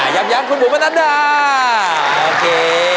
ย้ำคุณบุ๋มบรรดาโอเค